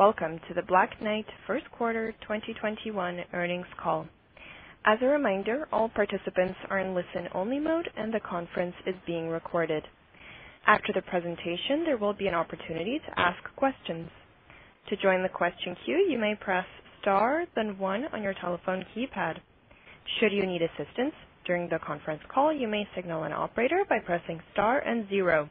Welcome to the Black Knight first quarter 2021 earnings call. As a reminder, all participants are in listen-only mode, and the conference is being recorded. After the presentation, there will be an opportunity to ask questions. To join the question queue, you may press star then one on your telephone keypad. Should you need assistance during the conference call, you may signal an operator by pressing star and zero.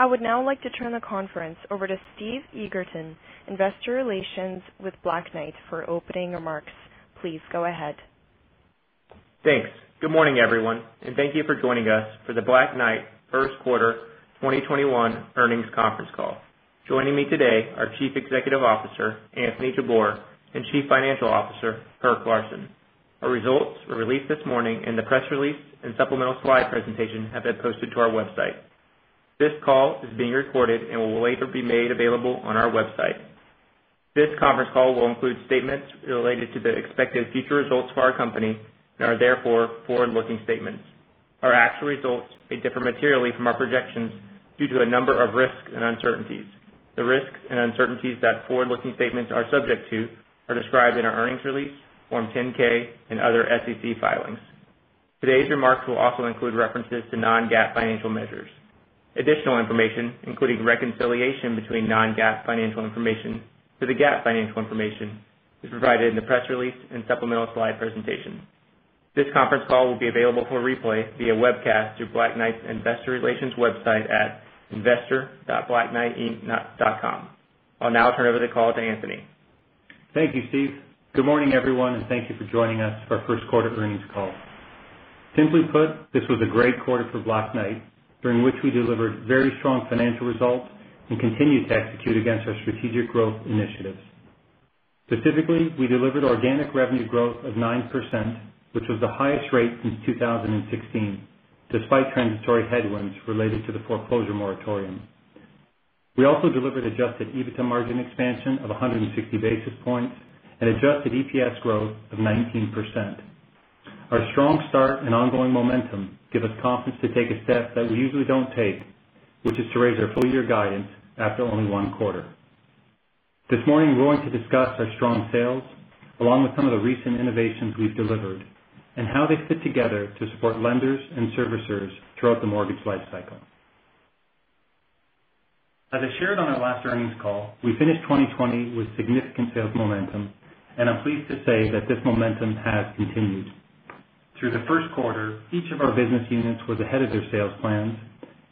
I would now like to turn the conference over to Steve Eagerton, Investor Relations with Black Knight, for opening remarks. Please go ahead. Thanks. Good morning, everyone, and thank you for joining us for the Black Knight first quarter 2021 earnings conference call. Joining me today are Chief Executive Officer, Anthony Jabbour, and Chief Financial Officer, Kirk Larsen. Our results were released this morning, and the press release and supplemental slide presentation have been posted to our website. This call is being recorded and will later be made available on our website. This conference call will include statements related to the expected future results of our company and are therefore forward-looking statements. Our actual results may differ materially from our projections due to a number of risks and uncertainties. The risks and uncertainties that forward-looking statements are subject to are described in our earnings release, Form 10-K, and other SEC filings. Today's remarks will also include references to non-GAAP financial measures. Additional information, including reconciliation between non-GAAP financial information to the GAAP financial information, is provided in the press release and supplemental slide presentation. This conference call will be available for replay via webcast through Black Knight's investor relations website at investor.blackknightinc.com. I'll now turn over the call to Anthony. Thank you, Steve. Good morning, everyone, thank you for joining us for our first quarter earnings call. Simply put, this was a great quarter for Black Knight, during which we delivered very strong financial results and continued to execute against our strategic growth initiatives. Specifically, we delivered organic revenue growth of 9%, which was the highest rate since 2016, despite transitory headwinds related to the foreclosure moratorium. We also delivered adjusted EBITDA margin expansion of 160 basis points and adjusted EPS growth of 19%. Our strong start and ongoing momentum give us confidence to take a step that we usually don't take, which is to raise our full-year guidance after only one quarter. This morning, we're going to discuss our strong sales, along with some of the recent innovations we've delivered, and how they fit together to support lenders and servicers throughout the mortgage life cycle. As I shared on our last earnings call, we finished 2020 with significant sales momentum. I'm pleased to say that this momentum has continued. Through the first quarter, each of our business units was ahead of their sales plans,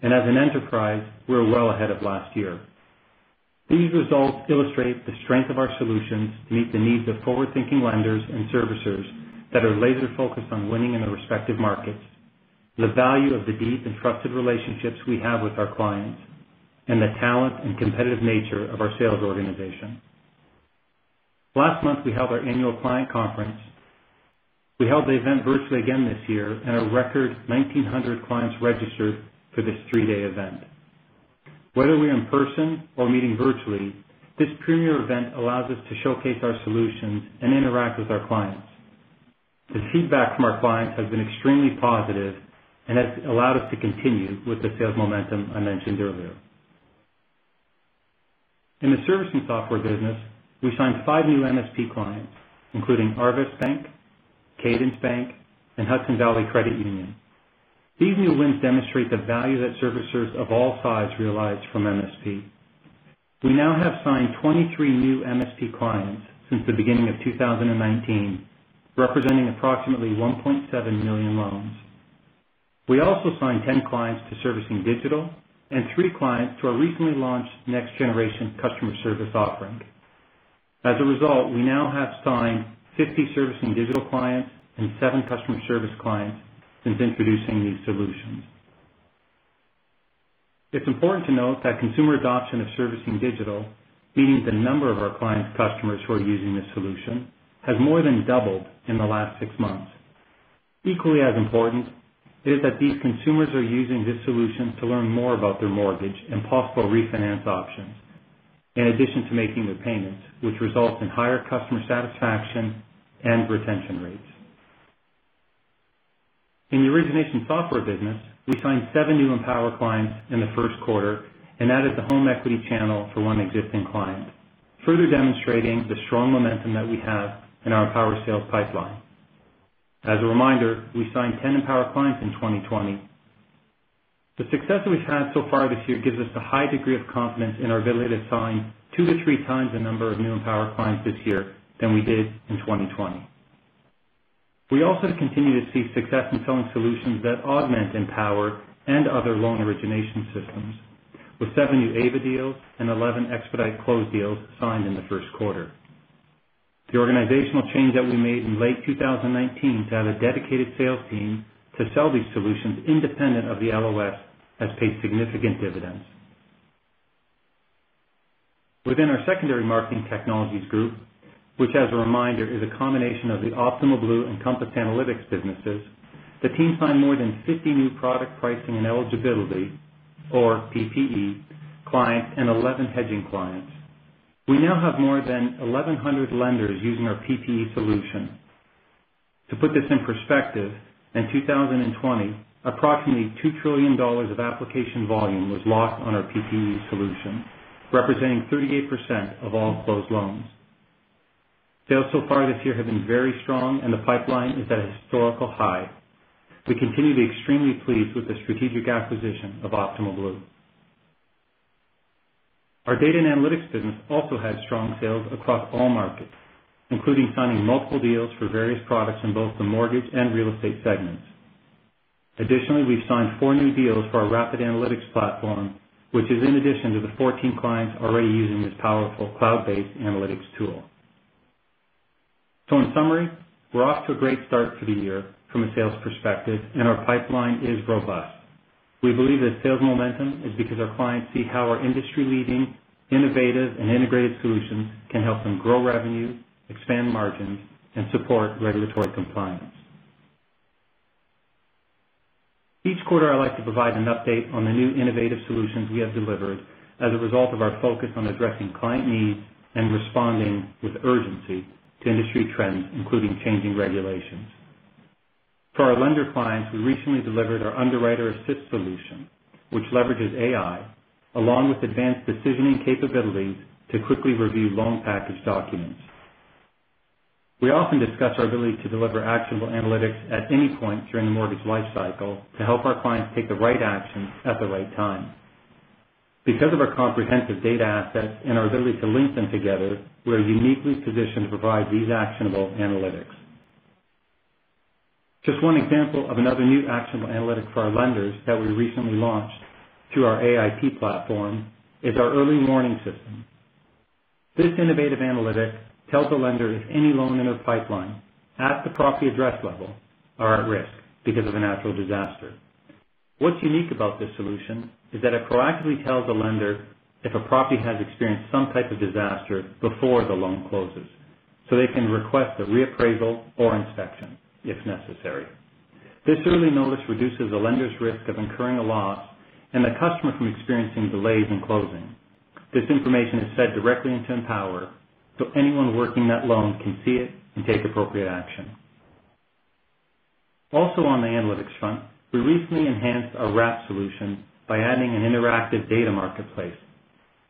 and as an enterprise, we're well ahead of last year. These results illustrate the strength of our solutions to meet the needs of forward-thinking lenders and servicers that are laser-focused on winning in their respective markets, the value of the deep and trusted relationships we have with our clients, and the talent and competitive nature of our sales organization. Last month, we held our annual client conference. We held the event virtually again this year, and a record 1,900 clients registered for this three-day event. Whether we're in person or meeting virtually, this premier event allows us to showcase our solutions and interact with our clients. The feedback from our clients has been extremely positive and has allowed us to continue with the sales momentum I mentioned earlier. In the servicing software business, we signed five new MSP clients, including Arvest Bank, Cadence Bank, and Hudson Valley Credit Union. These new wins demonstrate the value that servicers of all sizes realize from MSP. We now have signed 23 new MSP clients since the beginning of 2019, representing approximately 1.7 million loans. We also signed 10 clients to Servicing Digital and three clients to our recently launched next-generation customer service offering. As a result, we now have signed 50 Servicing Digital clients and seven customer service clients since introducing these solutions. It's important to note that consumer adoption of Servicing Digital, meaning the number of our clients' customers who are using this solution, has more than doubled in the last six months. Equally as important is that these consumers are using this solution to learn more about their mortgage and possible refinance options, in addition to making their payments, which results in higher customer satisfaction and retention rates. In the origination software business, we signed seven new Empower clients in the first quarter and added the home equity channel for one existing client, further demonstrating the strong momentum that we have in our Empower sales pipeline. As a reminder, we signed 10 Empower clients in 2020. The success that we've had so far this year gives us a high degree of confidence in our ability to sign 2x-3x the number of new Empower clients this year than we did in 2020. We also continue to see success in selling solutions that augment Empower and other LOS, with seven new AIVA deals and 11 Expedite Close deals signed in the first quarter. The organizational change that we made in late 2019 to have a dedicated sales team to sell these solutions independent of the LOS has paid significant dividends. Within our secondary marketing technologies group, which, as a reminder, is a combination of the Optimal Blue and Compass Analytics businesses, the team signed more than 50 new product pricing and eligibility, or PPE, clients and 11 hedging clients. We now have more than 1,100 lenders using our PPE solution. To put this in perspective, in 2020, approximately $2 trillion of application volume was locked on our PPE solution, representing 38% of all closed loans. Sales so far this year have been very strong. The pipeline is at a historical high. We continue to be extremely pleased with the strategic acquisition of Optimal Blue. Our Data and Analytics business also had strong sales across all markets, including signing multiple deals for various products in both the mortgage and real estate segments. Additionally, we've signed four new deals for our Rapid Analytics Platform, which is in addition to the 14 clients already using this powerful cloud-based analytics tool. In summary, we're off to a great start to the year from a sales perspective, and our pipeline is robust. We believe that sales momentum is because our clients see how our industry-leading, innovative, and integrated solutions can help them grow revenue, expand margins, and support regulatory compliance. Each quarter, I like to provide an update on the new innovative solutions we have delivered as a result of our focus on addressing client needs and responding with urgency to industry trends, including changing regulations. For our lender clients, we recently delivered our Underwriter Assist solution, which leverages AI along with advanced decisioning capabilities to quickly review loan package documents. We often discuss our ability to deliver actionable analytics at any point during the mortgage life cycle to help our clients take the right actions at the right time. Because of our comprehensive data assets and our ability to link them together, we're uniquely positioned to provide these actionable analytics. Just one example of another new actionable analytic for our lenders that we recently launched through our AIP platform is our early warning system. This innovative analytic tells a lender if any loan in their pipeline, at the property address level, are at risk because of a natural disaster. What's unique about this solution is that it proactively tells a lender if a property has experienced some type of disaster before the loan closes, so they can request a reappraisal or inspection if necessary. This early notice reduces a lender's risk of incurring a loss and the customer from experiencing delays in closing. This information is fed directly into Empower, so anyone working that loan can see it and take appropriate action. Also on the analytics front, we recently enhanced our Rapid Analytics Platform solution by adding an interactive data marketplace,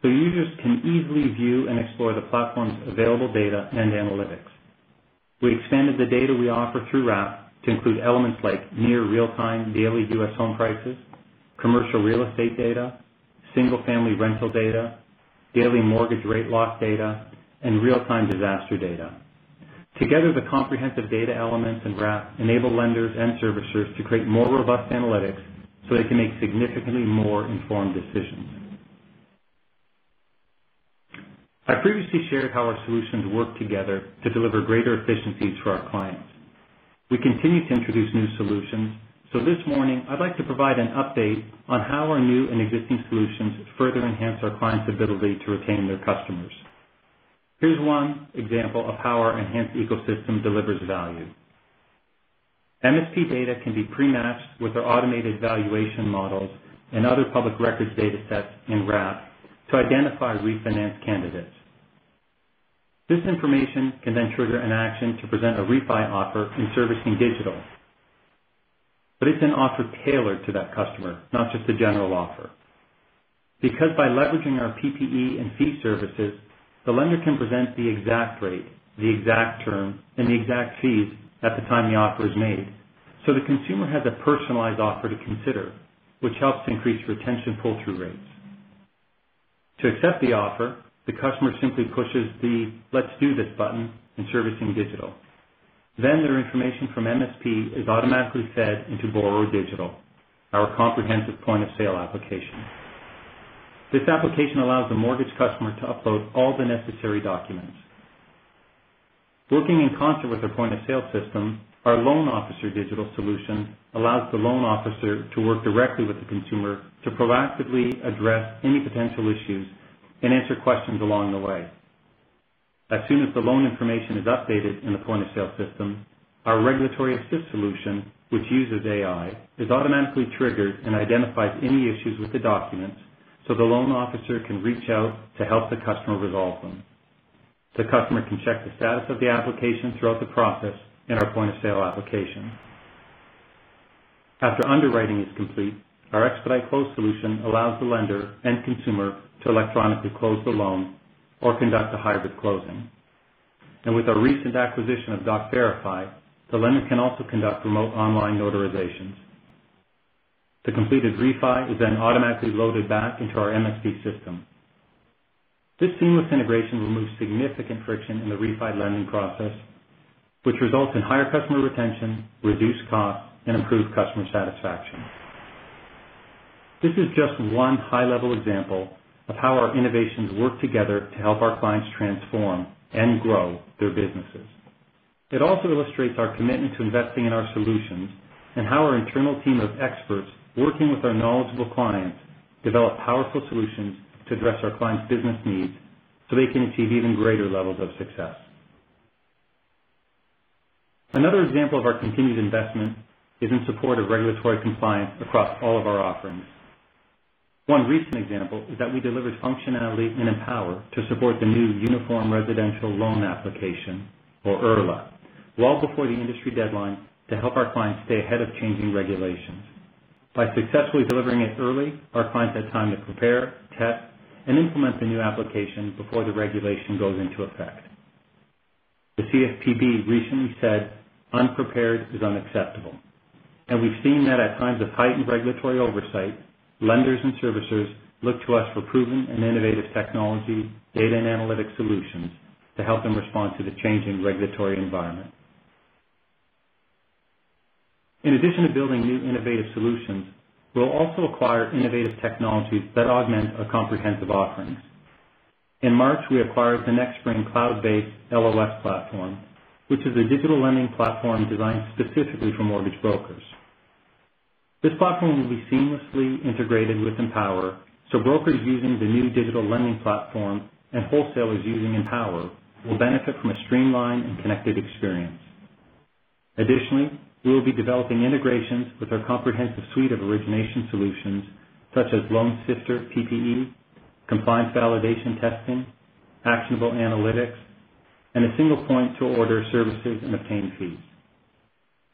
so users can easily view and explore the platform's available data and analytics. We expanded the data we offer through RAP to include elements like near real-time daily U.S. home prices, commercial real estate data, single-family rental data, daily mortgage rate lock data, and real-time disaster data. Together, the comprehensive data elements in RAP enable lenders and servicers to create more robust analytics so they can make significantly more informed decisions. I previously shared how our solutions work together to deliver greater efficiencies for our clients. We continue to introduce new solutions, this morning I'd like to provide an update on how our new and existing solutions further enhance our clients' ability to retain their customers. Here's one example of how our enhanced ecosystem delivers value. MSP data can be pre-matched with our automated valuation models and other public records data sets in RAP to identify refinance candidates. This information can then trigger an action to present a refi offer in Servicing Digital. It's an offer tailored to that customer, not just a general offer. By leveraging our PPE and fee services, the lender can present the exact rate, the exact term, and the exact fees at the time the offer is made, the consumer has a personalized offer to consider, which helps increase retention pull-through rates. To accept the offer, the customer simply pushes the Let's Do This button in Servicing Digital. Their information from MSP is automatically fed into Borrower Digital, our comprehensive point-of-sale application. This application allows the mortgage customer to upload all the necessary documents. Working in concert with our point-of-sale system, our Loan Officer Digital solution allows the loan officer to work directly with the consumer to proactively address any potential issues and answer questions along the way. As soon as the loan information is updated in the point-of-sale system, our Regulatory Assist solution, which uses AI, is automatically triggered and identifies any issues with the documents so the loan officer can reach out to help the customer resolve them. The customer can check the status of the application throughout the process in our point-of-sale application. After underwriting is complete, our Expedite Close solution allows the lender and consumer to electronically close the loan or conduct a hybrid closing. With our recent acquisition of DocVerify, the lender can also conduct remote online notarizations. The completed refi is automatically loaded back into our MSP system. This seamless integration removes significant friction in the refi lending process, which results in higher customer retention, reduced costs, and improved customer satisfaction. This is just one high-level example of how our innovations work together to help our clients transform and grow their businesses. It also illustrates our commitment to investing in our solutions and how our internal team of experts, working with our knowledgeable clients, develop powerful solutions to address our clients' business needs so they can achieve even greater levels of success. Another example of our continued investment is in support of regulatory compliance across all of our offerings. One recent example is that we delivered functionality in Empower to support the new Uniform Residential Loan Application, or URLA, well before the industry deadline to help our clients stay ahead of changing regulations. By successfully delivering it early, our clients had time to prepare, test, and implement the new application before the regulation goes into effect. The CFPB recently said unprepared is unacceptable, and we've seen that at times of heightened regulatory oversight, lenders and servicers look to us for proven and innovative technology, data and analytic solutions to help them respond to the changing regulatory environment. In addition to building new innovative solutions, we'll also acquire innovative technologies that augment our comprehensive offerings. In March, we acquired the NexSpring cloud-based LOS platform, which is a digital lending platform designed specifically for mortgage brokers. This platform will be seamlessly integrated with Empower, so brokers using the new digital lending platform and wholesalers using Empower will benefit from a streamlined and connected experience. Additionally, we will be developing integrations with our comprehensive suite of origination solutions, such as LoanSifter PPE, compliance validation testing, Actionable Intelligence Platform, and a single point to order services and obtain fees.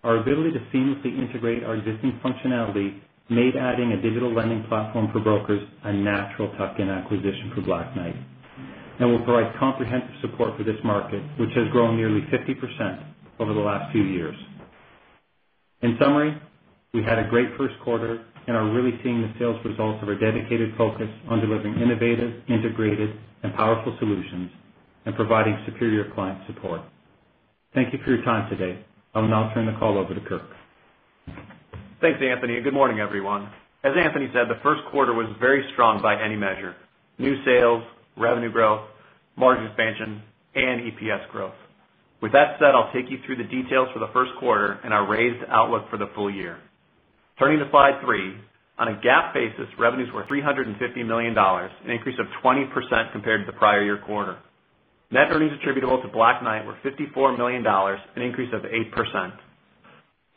Our ability to seamlessly integrate our existing functionality made adding a digital lending platform for brokers a natural tuck-in acquisition for Black Knight and will provide comprehensive support for this market, which has grown nearly 50% over the last few years. We had a great first quarter and are really seeing the sales results of our dedicated focus on delivering innovative, integrated, and powerful solutions and providing superior client support. Thank you for your time today. I will now turn the call over to Kirk. Thanks, Anthony, and good morning, everyone. As Anthony said, the first quarter was very strong by any measure, new sales, revenue growth, margin expansion, and EPS growth. With that said, I'll take you through the details for the first quarter and our raised outlook for the full year. Turning to slide three. On a GAAP basis, revenues were $350 million, an increase of 20% compared to the prior year quarter. Net earnings attributable to Black Knight were $54 million, an increase of 8%.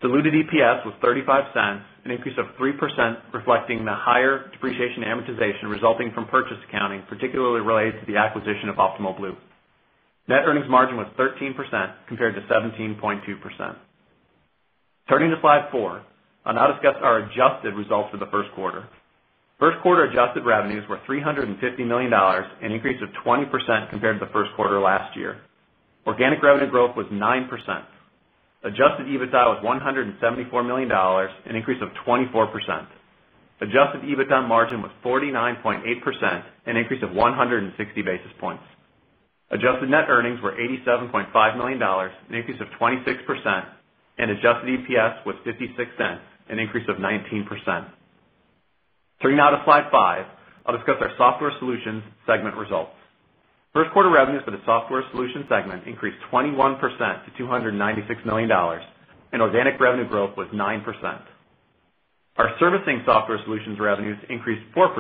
Diluted EPS was $0.35, an increase of 3%, reflecting the higher depreciation amortization resulting from purchase accounting, particularly related to the acquisition of Optimal Blue. Net earnings margin was 13% compared to 17.2%. Turning to slide four. I'll now discuss our adjusted results for the first quarter. First quarter adjusted revenues were $350 million, an increase of 20% compared to the first quarter last year. Organic revenue growth was 9%. Adjusted EBITDA was $174 million, an increase of 24%. Adjusted EBITDA margin was 49.8%, an increase of 160 basis points. Adjusted net earnings were $87.5 million, an increase of 26%. Adjusted EPS was $0.56, an increase of 19%. Turning now to slide five, I'll discuss our Software Solutions segment results. First quarter revenues for the Software Solutions segment increased 21% to $296 million. Organic revenue growth was 9%. Our servicing Software Solutions revenues increased 4%.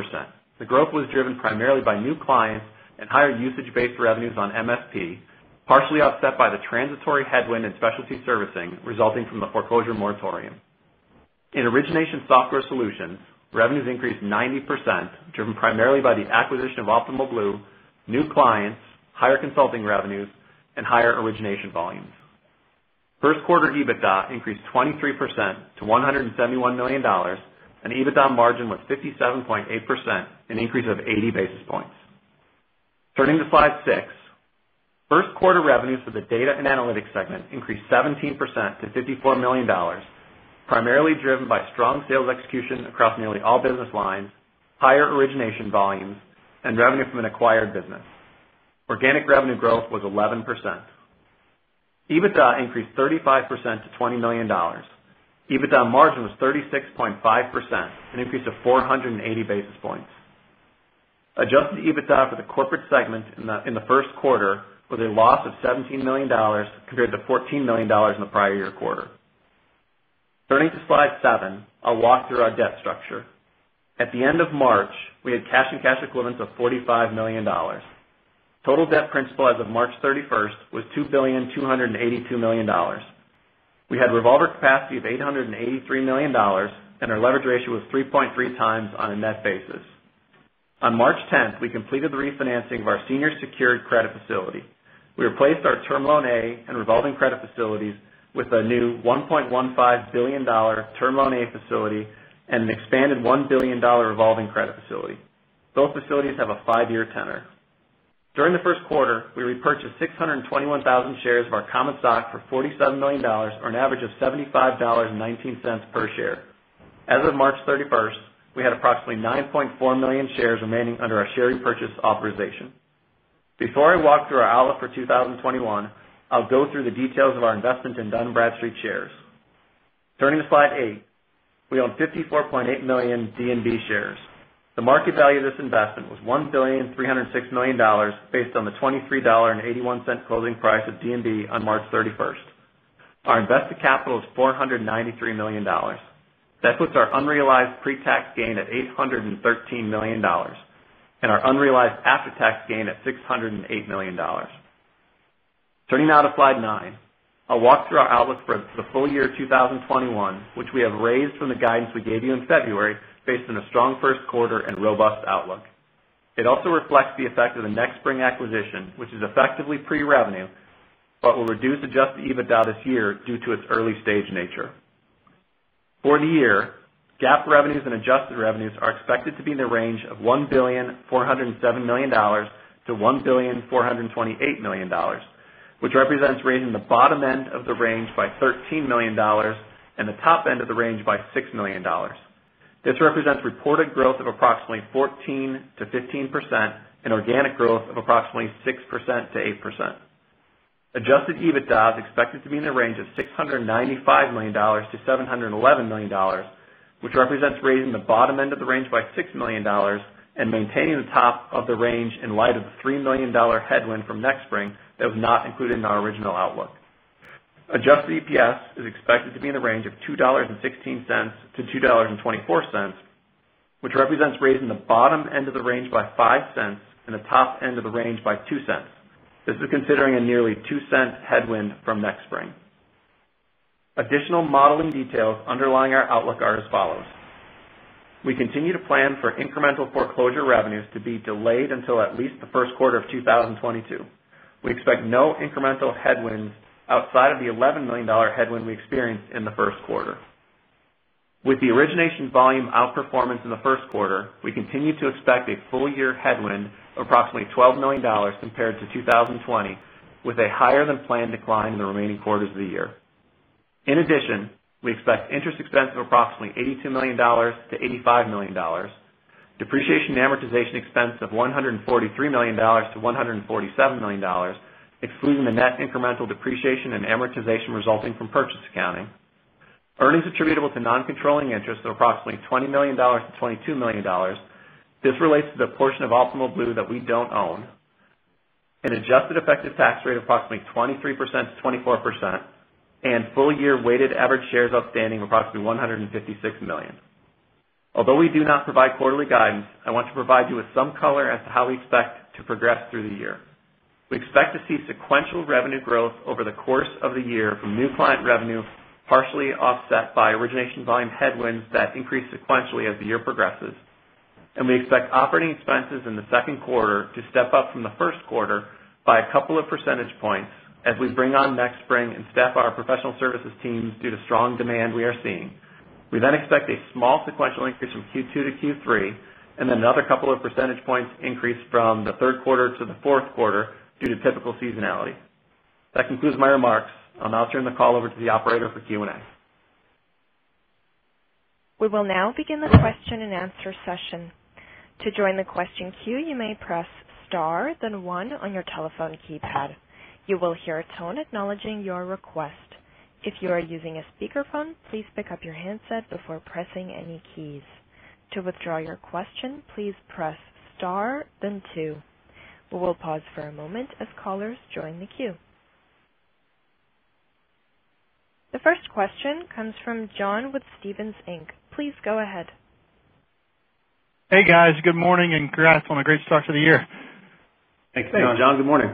The growth was driven primarily by new clients and higher usage-based revenues on MSP, partially offset by the transitory headwind in specialty servicing resulting from the foreclosure moratorium. In origination Software Solutions, revenues increased 90%, driven primarily by the acquisition of Optimal Blue, new clients, higher consulting revenues, and higher origination volumes. First quarter EBITDA increased 23% to $171 million and EBITDA margin was 57.8%, an increase of 80 basis points. Turning to slide six. First quarter revenues for the Data and Analytics segment increased 17% to $54 million, primarily driven by strong sales execution across nearly all business lines, higher origination volumes, and revenue from an acquired business. Organic revenue growth was 11%. EBITDA increased 35% to $20 million. EBITDA margin was 36.5%, an increase of 480 basis points. Adjusted EBITDA for the corporate segment in the first quarter was a loss of $17 million compared to $14 million in the prior year quarter. Turning to slide seven. I'll walk through our debt structure. At the end of March, we had cash and cash equivalents of $45 million. Total debt principal as of March 31st was $2 billion 282 million. We had revolver capacity of $883 million, and our leverage ratio was 3.3 times on a net basis. On March 10th, we completed the refinancing of our senior secured credit facility. We replaced our term loan A and revolving credit facilities with a new $1.15 billion term loan A facility and an expanded $1 billion revolving credit facility. Both facilities have a five-year tenor. During the first quarter, we repurchased 621,000 shares of our common stock for $47 million or an average of $75.19 per share. As of March 31st, we had approximately 9.4 million shares remaining under our share repurchase authorization. Before I walk through our outlook for 2021, I'll go through the details of our investment in Dun & Bradstreet shares. Turning to slide eight. We own 54.8 million D&B shares. The market value of this investment was $1.306 billion based on the $23.81 closing price of D&B on March 31st. Our invested capital is $493 million. That puts our unrealized pre-tax gain at $813 million and our unrealized after-tax gain at $608 million. Turning now to slide nine. I'll walk through our outlook for the full year 2021, which we have raised from the guidance we gave you in February based on a strong first quarter and robust outlook. It also reflects the effect of the NexSpring acquisition, which is effectively pre-revenue but will reduce adjusted EBITDA this year due to its early-stage nature. For the year, GAAP revenues and adjusted revenues are expected to be in the range of $1,407 million-$1,428 million, which represents raising the bottom end of the range by $13 million and the top end of the range by $6 million. This represents reported growth of approximately 14%-15% and organic growth of approximately 6%-8%. Adjusted EBITDA is expected to be in the range of $695 million to $711 million, which represents raising the bottom end of the range by $6 million and maintaining the top of the range in light of the $3 million headwind from NexSpring that was not included in our original outlook. Adjusted EPS is expected to be in the range of $2.16-$2.24, which represents raising the bottom end of the range by $0.05 and the top end of the range by $0.02. This is considering a nearly $0.02 headwind from NexSpring. Additional modeling details underlying our outlook are as follows. We continue to plan for incremental foreclosure revenues to be delayed until at least the first quarter of 2022. We expect no incremental headwinds outside of the $11 million headwind we experienced in the first quarter. With the origination volume outperformance in the first quarter, we continue to expect a full-year headwind of approximately $12 million compared to 2020, with a higher-than-planned decline in the remaining quarters of the year. In addition, we expect interest expense of approximately $82 million to $85 million, depreciation and amortization expense of $143 million-$147 million, excluding the net incremental depreciation and amortization resulting from purchase accounting. Earnings attributable to non-controlling interests are approximately $20 million-$22 million. This relates to the portion of Optimal Blue that we don't own. An adjusted effective tax rate of approximately 23%-24%, and full-year weighted average shares outstanding of approximately 156 million. Although we do not provide quarterly guidance, I want to provide you with some color as to how we expect to progress through the year. We expect to see sequential revenue growth over the course of the year from new client revenue, partially offset by origination volume headwinds that increase sequentially as the year progresses. We expect operating expenses in the second quarter to step up from the first quarter by a couple of percentage points as we bring on NexSpring and staff our professional services teams due to strong demand we are seeing. We expect a small sequential increase from Q2 to Q3, and then another couple of percentage points increase from the third quarter to the fourth quarter due to typical seasonality. That concludes my remarks. I'll now turn the call over to the operator for Q&A. We will now begin the question and answer session to join the question queue you may press star then one on your telephone keypad you will hear a tone acknowledging your request. If you are using a speaker phone please pick-up your handset before pressing any keys. To withdraw your question please press star then two. We will pause for a moment as callers join the queue. The first question comes from John with Stephens Inc. Please go ahead. Hey, guys. Good morning. Congrats on a great start to the year. Thanks, John. Thanks, John. Good morning.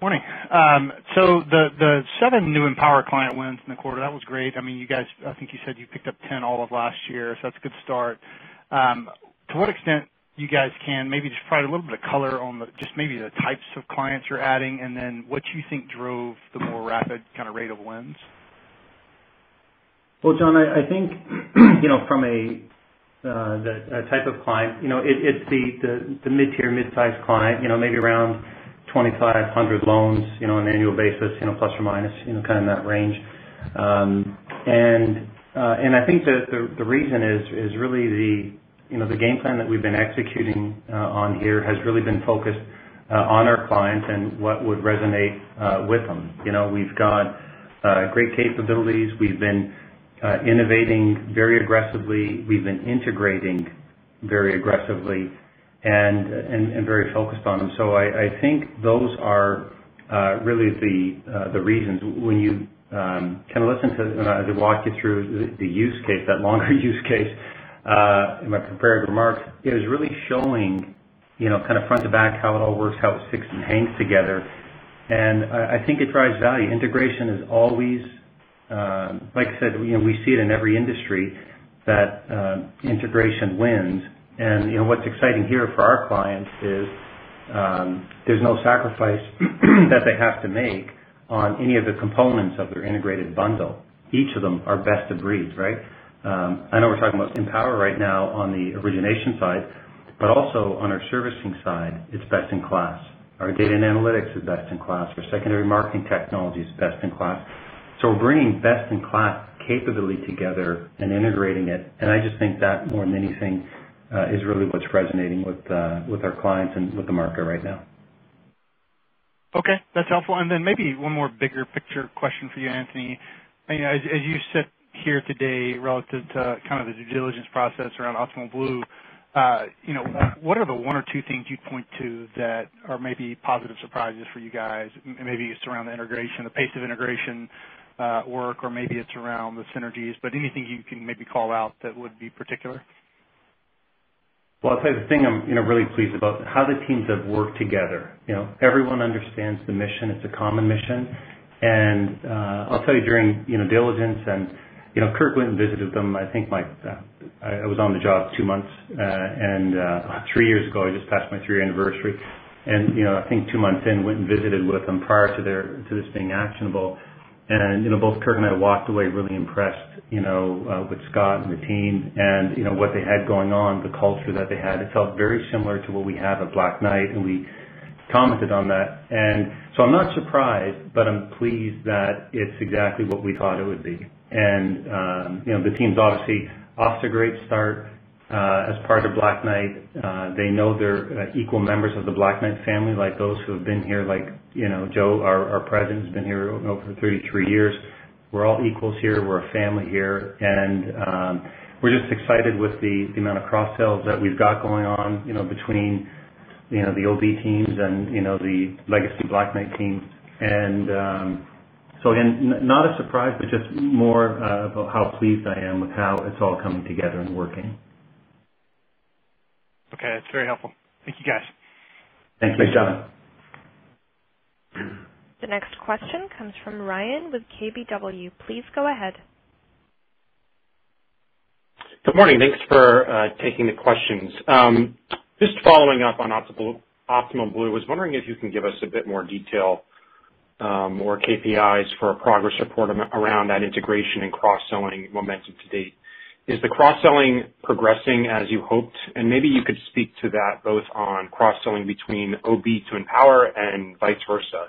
Morning. The seven new Empower client wins in the quarter, that was great. I think you said you picked up 10 all of last year, that's a good start. To what extent you guys can maybe just provide a little bit of color on just maybe the types of clients you're adding and then what you think drove the more rapid kind of rate of wins. Well, John, I think from a type of client, it's the mid-tier, mid-size client, maybe around 2,500 loans, on an annual basis, plus or minus, kind of in that range. I think that the reason is really the game plan that we've been executing on here has really been focused on our clients and what would resonate with them. We've got great capabilities. We've been innovating very aggressively. We've been integrating very aggressively and very focused on them. I think those are really the reasons. When you kind of listen to, as I walk you through the use case, that longer use case in my prepared remarks, it is really showing kind of front to back how it all works, how it fits and hangs together. I think it drives value. Integration is always, like I said, we see it in every industry that integration wins. What's exciting here for our clients is there's no sacrifice that they have to make on any of the components of their integrated bundle. Each of them are best of breeds, right? I know we're talking about Empower right now on the origination side, but also on our servicing side, it's best in class. Our Data and Analytics is best in class. Our secondary marketing technology is best in class. We're bringing best-in-class capability together and integrating it. I just think that more than anything, is really what's resonating with our clients and with the market right now. Okay, that's helpful. Maybe one more bigger picture question for you, Anthony. As you sit here today relative to kind of the due diligence process around Optimal Blue, what are the one or two things you'd point to that are maybe positive surprises for you guys? Maybe it's around the integration, the pace of integration work, or maybe it's around the synergies. Anything you can maybe call out that would be particular? Well, I'll tell you the thing I'm really pleased about, how the teams have worked together. Everyone understands the mission. It's a common mission. I'll tell you during diligence and Kirk went and visited them, I think I was on the job two months. Three years ago, I just passed my three anniversary. I think two months in, went and visited with them prior to this being actionable. Both Kirk and I walked away really impressed with Scott and the team and what they had going on, the culture that they had. It felt very similar to what we have at Black Knight, and we commented on that. I'm not surprised, but I'm pleased that it's exactly what we thought it would be. The team's obviously off to a great start, as part of Black Knight. They know they're equal members of the Black Knight family, like those who have been here, like Joe, our president, who's been here over 33 years. We're all equals here. We're a family here. We're just excited with the amount of cross-sells that we've got going on between the OB teams and the legacy Black Knight teams. Again, not a surprise, but just more of how pleased I am with how it's all coming together and working. Okay. That's very helpful. Thank you, guys. Thanks. Thanks, John. The next question comes from Ryan with KBW. Please go ahead. Good morning. Thanks for taking the questions. Just following up on Optimal Blue. I was wondering if you can give us a bit more detail, or KPIs for a progress report around that integration and cross-selling momentum to date. Is the cross-selling progressing as you hoped? Maybe you could speak to that both on cross-selling between OB to Empower and vice versa.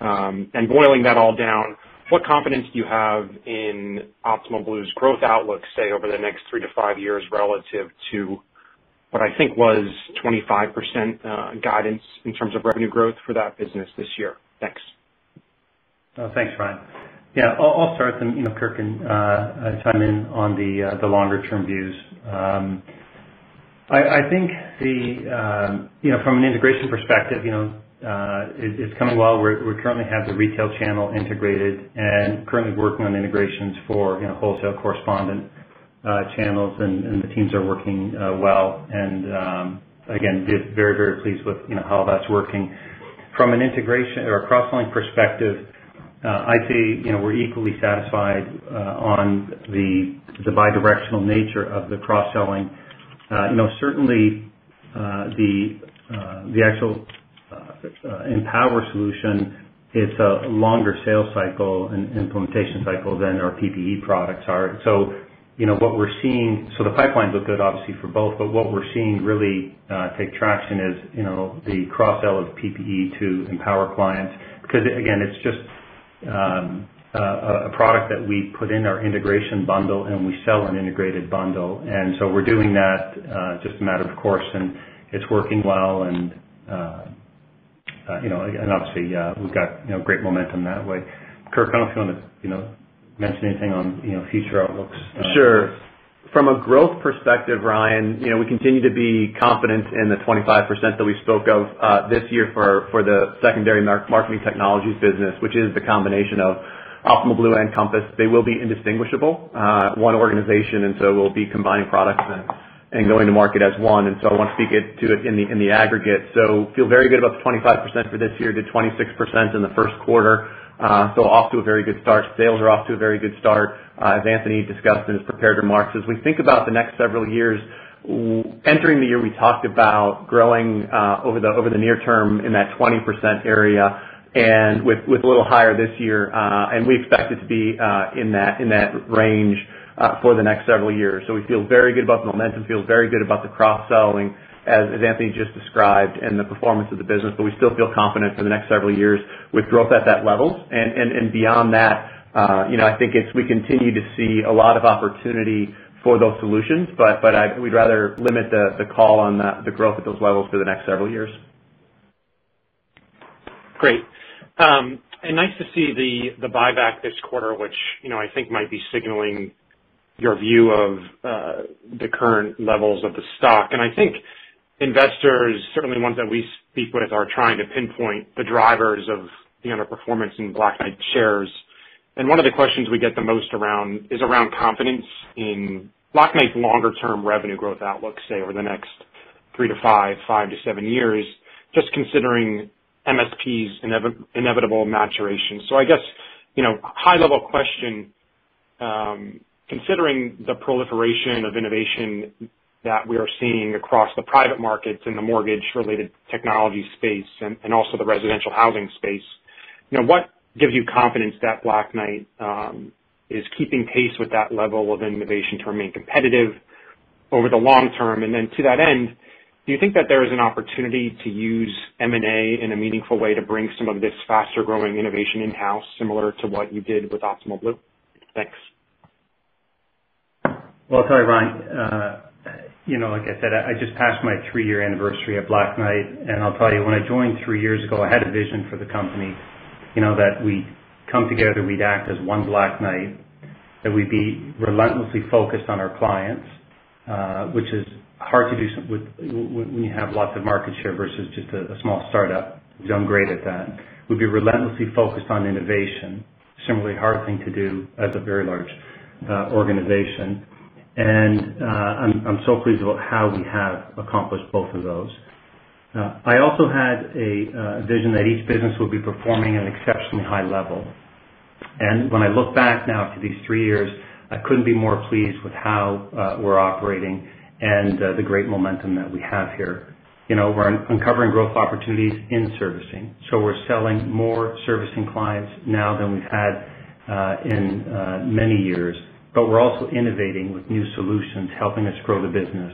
Boiling that all down, what confidence do you have in Optimal Blue's growth outlook, say over the next three to five years, relative to what I think was 25% guidance in terms of revenue growth for that business this year? Thanks. Thanks, Ryan. Yeah, I'll start, then Kirk can chime in on the longer term views. I think from an integration perspective it's coming well. We currently have the retail channel integrated and currently working on integrations for wholesale correspondent channels and the teams are working well. Again, very pleased with how that's working. From a cross-selling perspective, I'd say we're equally satisfied on the bidirectional nature of the cross-selling. Certainly the actual Empower solution is a longer sales cycle and implementation cycle than our PPE products are. The pipelines look good, obviously, for both. What we're seeing really take traction is the cross-sell of PPE to Empower clients, because again, it's just a product that we put in our integration bundle and we sell an integrated bundle. So we're doing that just a matter of course, and it's working well. Obviously, we've got great momentum that way. Kirk, I don't know if you want to mention anything on future outlooks. Sure. From a growth perspective, Ryan, we continue to be confident in the 25% that we spoke of this year for the secondary marketing technologies business, which is the combination of Optimal Blue and Compass. They will be indistinguishable, one organization, and so we'll be combining products and going to market as one. I want to speak to it in the aggregate. Feel very good about the 25% for this year. Did 26% in the first quarter. Off to a very good start. Sales are off to a very good start as Anthony discussed in his prepared remarks. As we think about the next several years, entering the year, we talked about growing over the near term in that 20% area and with a little higher this year. We expect it to be in that range for the next several years. We feel very good about the momentum, feel very good about the cross-selling, as Anthony just described, and the performance of the business. We still feel confident for the next several years with growth at that level. Beyond that I think we continue to see a lot of opportunity for those solutions. We'd rather limit the call on the growth at those levels for the next several years. Great. Nice to see the buyback this quarter, which I think might be signaling your view of the current levels of the stock. I think investors, certainly the ones that we speak with, are trying to pinpoint the drivers of the underperformance in Black Knight shares. One of the questions we get the most is around confidence in Black Knight's longer-term revenue growth outlook, say over the next three to five to seven years, just considering MSP's inevitable maturation. I guess, high level question, considering the proliferation of innovation that we are seeing across the private markets and the mortgage-related technology space and also the residential housing space, what gives you confidence that Black Knight is keeping pace with that level of innovation to remain competitive over the long term? To that end, do you think that there is an opportunity to use M&A in a meaningful way to bring some of this faster-growing innovation in-house, similar to what you did with Optimal Blue? Thanks. Well, sorry, Ryan. Like I said, I just passed my three-year anniversary at Black Knight, and I'll tell you, when I joined three years ago, I had a vision for the company. That we'd come together, we'd act as one Black Knight, that we'd be relentlessly focused on our clients, which is hard to do when you have lots of market share versus just a small startup. Done great at that. We'd be relentlessly focused on innovation. Similarly hard thing to do as a very large organization. I'm so pleased about how we have accomplished both of those. I also had a vision that each business would be performing at an exceptionally high level. When I look back now to these three years, I couldn't be more pleased with how we're operating and the great momentum that we have here. We're uncovering growth opportunities in servicing. We're selling more servicing clients now than we've had in many years. We're also innovating with new solutions, helping us grow the business,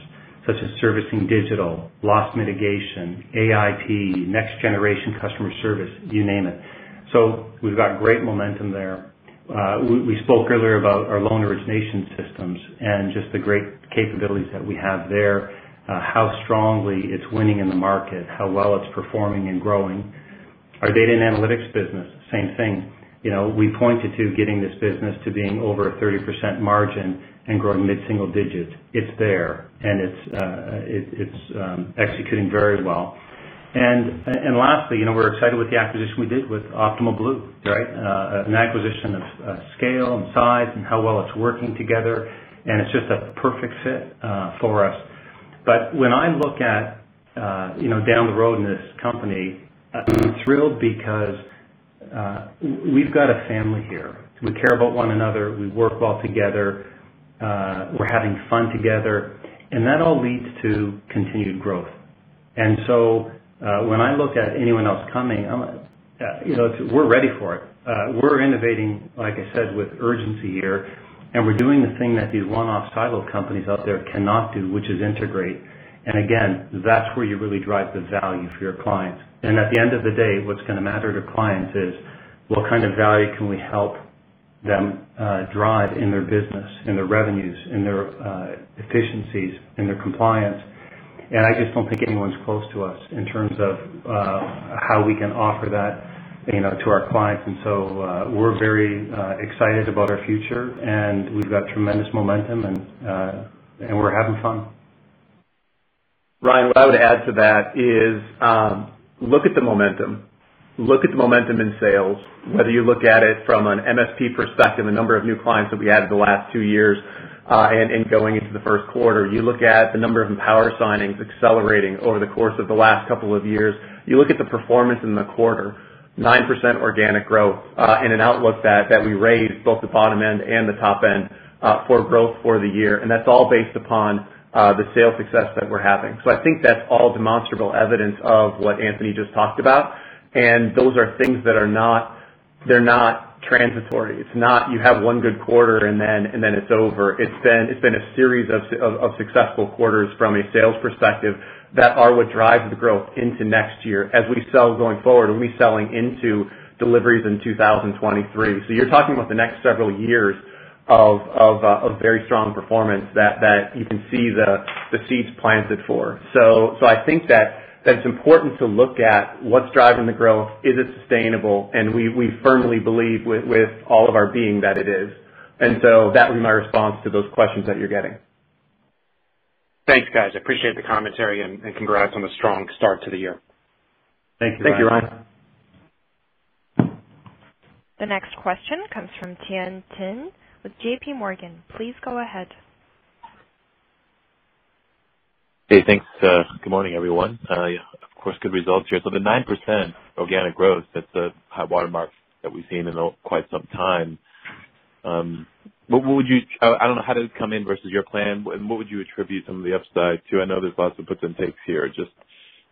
such as Servicing Digital, loss mitigation, AIP, next generation customer service, you name it. We've got great momentum there. We spoke earlier about our loan origination systems and just the great capabilities that we have there, how strongly it's winning in the market, how well it's performing and growing. Our Data and Analytics business, same thing. We pointed to getting this business to being over a 30% margin and growing mid-single digits. It's there, and it's executing very well. Lastly, we're excited with the acquisition we did with Optimal Blue, right? An acquisition of scale and size and how well it's working together, and it's just a perfect fit for us. When I look at down the road in this company, I'm thrilled because we've got a family here. We care about one another. We work well together. We're having fun together, and that all leads to continued growth. When I look at anyone else coming, we're ready for it. We're innovating, like I said, with urgency here, and we're doing the thing that these one-off siloed companies out there cannot do, which is integrate. Again, that's where you really drive the value for your clients. At the end of the day, what's going to matter to clients is what kind of value can we help them drive in their business, in their revenues, in their efficiencies, in their compliance. I just don't think anyone's close to us in terms of how we can offer that to our clients. We're very excited about our future, and we've got tremendous momentum, and we're having fun. Ryan, what I would add to that is look at the momentum. Look at the momentum in sales, whether you look at it from an MSP perspective, the number of new clients that we added the last two years, and going into the first quarter. You look at the number of Empower signings accelerating over the course of the last couple of years. You look at the performance in the quarter, 9% organic growth in an outlook that we raised both the bottom end and the top end for growth for the year. That's all based upon the sales success that we're having. I think that's all demonstrable evidence of what Anthony just talked about, and those are things that are not transitory. It's not you have one good quarter and then it's over. It's been a series of successful quarters from a sales perspective that are what drives the growth into next year. As we sell going forward, we'll be selling into deliveries in 2023. You're talking about the next several years of very strong performance that you can see the seeds planted for. I think that it's important to look at what's driving the growth. Is it sustainable? We firmly believe with all of our being that it is. That would be my response to those questions that you're getting. Thanks, guys. I appreciate the commentary and congrats on the strong start to the year. Thank you, Ryan. Thank you, Ryan. The next question comes from Tien-Tsin Huang with JPMorgan. Please go ahead. Hey, thanks. Good morning, everyone. Of course, good results here. The 9% organic growth, that's a high watermark that we've seen in quite some time. I don't know, how did it come in versus your plan? What would you attribute some of the upside to? I know there's lots of puts and takes here. Just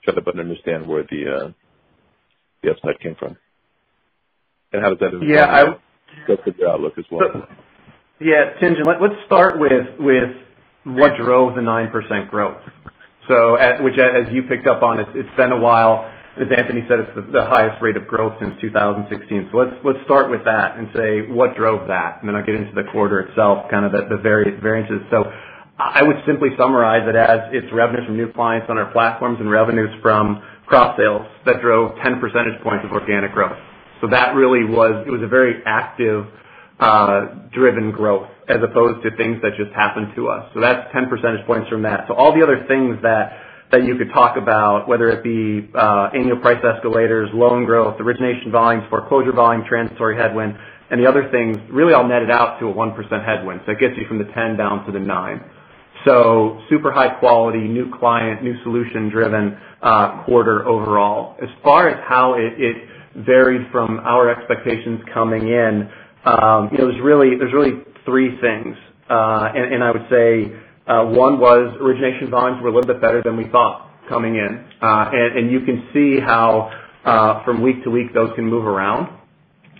try to better understand where the upside came from and how does that impact? Yeah. The outlook as well. Tien-Tsin, let's start with what drove the 9% growth. Which, as you picked up on, it's been a while. As Anthony Jabbour said, it's the highest rate of growth since 2016. Let's start with that and say what drove that, and then I'll get into the quarter itself, kind of the variances. I would simply summarize it as it's revenues from new clients on our platforms and revenues from cross-sales that drove 10 percentage points of organic growth. It was a very active driven growth as opposed to things that just happened to us. That's 10 percentage points from that. All the other things that you could talk about, whether it be annual price escalators, loan growth, origination volumes, foreclosure volume, transitory headwind, and the other things really all netted out to a 1% headwind. It gets you from the 10 down to the nine. Super high quality, new client, new solution driven quarter overall. As far as how it varied from our expectations coming in, there's really three things. I would say one was origination volumes were a little bit better than we thought coming in. You can see how from week to week, those can move around.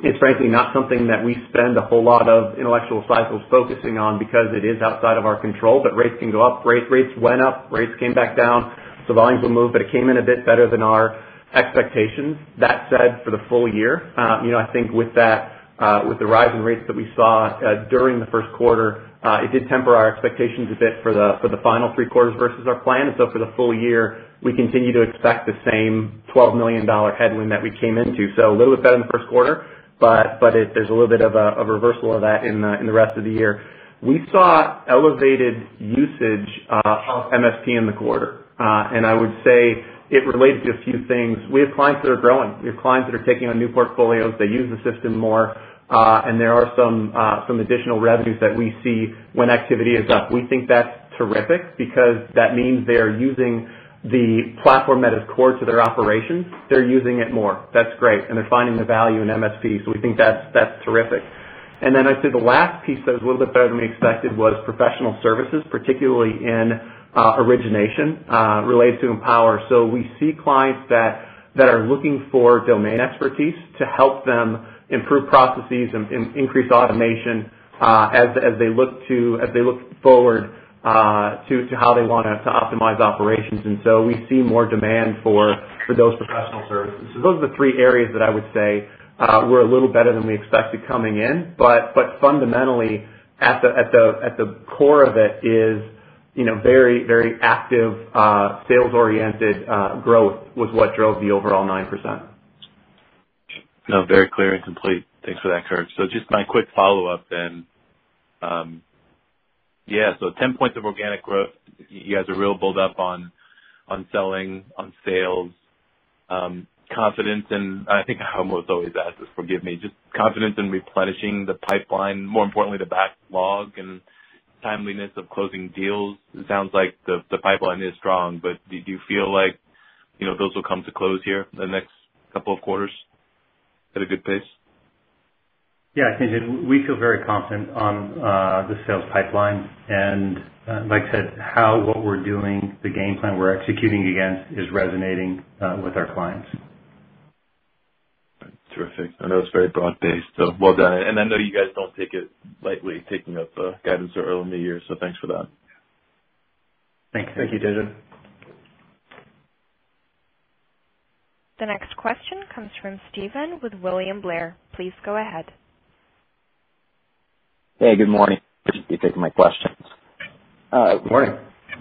It's frankly not something that we spend a whole lot of intellectual cycles focusing on because it is outside of our control. Rates can go up. Rates went up, rates came back down, so volumes will move, but it came in a bit better than our expectations. That said, for the full year, I think with the rise in rates that we saw during the first quarter, it did temper our expectations a bit for the final three quarters versus our plan. For the full year, we continue to expect the same $12 million headwind that we came into. A little bit better in the first quarter, but there's a little bit of a reversal of that in the rest of the year. We saw elevated usage of MSP in the quarter. I would say it relates to a few things. We have clients that are growing. We have clients that are taking on new portfolios. They use the system more. There are some additional revenues that we see when activity is up. We think that's terrific because that means they are using the platform that is core to their operations. They're using it more. That's great. They're finding the value in MSP. We think that's terrific. I'd say the last piece that was a little bit better than we expected was professional services, particularly in origination, related to Empower. We see clients that are looking for domain expertise to help them improve processes and increase automation as they look forward to how they want to optimize operations. We see more demand for those professional services. Those are the three areas that I would say were a little better than we expected coming in. Fundamentally, at the core of it is very active sales-oriented growth was what drove the overall 9%. No, very clear and complete. Thanks for that, Kirk. Just my quick follow-up, 10 points of organic growth. You guys are real bulled up on sales. I think I almost always ask this, forgive me. Just confidence in replenishing the pipeline, more importantly, the backlog and timeliness of closing deals. It sounds like the pipeline is strong, do you feel like those will come to close here in the next couple of quarters at a good pace? Yeah. I think we feel very confident on the sales pipeline. Like I said, how what we're doing, the game plan we're executing against is resonating with our clients. Terrific. I know it's very broad-based, so well done. I know you guys don't take it lightly, taking up guidance so early in the year, so thanks for that. Thanks. Thank you, Tien-Tsin. The next question comes from Stephen with William Blair. Please go ahead. Hey, good morning. Appreciate you taking my questions. Morning.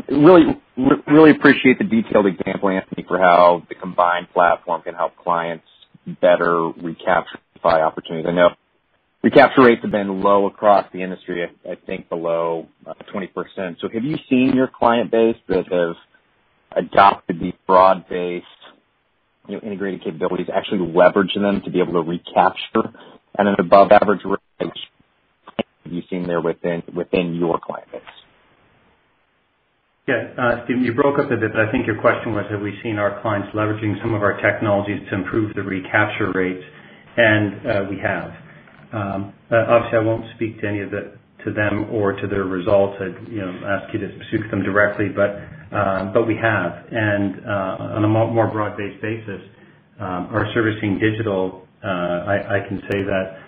Really appreciate the detailed example, Anthony, for how the combined platform can help clients better recapture opportunities. I know recapture rates have been low across the industry, I think below 20%. Have you seen your client base that has adopted these broad-based integrated capabilities, actually leveraging them to be able to recapture at an above average rate? Have you seen there within your client base? Yeah. Stephen, you broke up a bit, but I think your question was, have we seen our clients leveraging some of our technologies to improve the recapture rates? We have. Obviously, I won't speak to them or to their results. I'd ask you to speak to them directly. We have. On a more broad-based basis, our Servicing Digital, I can say that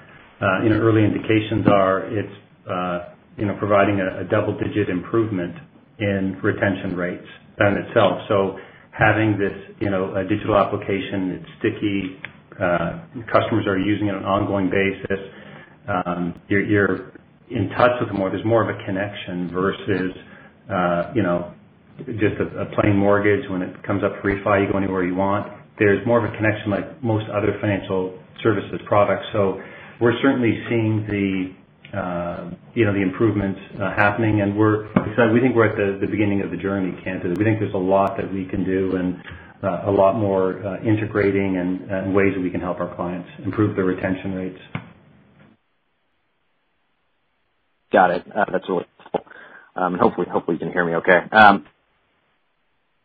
early indications are it's providing a double-digit improvement in retention rates in itself. Having this digital application, it's sticky. Customers are using it on an ongoing basis. You're in touch with them more. There's more of a connection versus just a plain mortgage. When it comes up for refi, you go anywhere you want. There's more of a connection like most other financial services products. We're certainly seeing the improvements happening, and we think we're at the beginning of the journey. We think there's a lot that we can do and a lot more integrating and ways that we can help our clients improve their retention rates. Got it. That's really helpful. Hopefully you can hear me okay.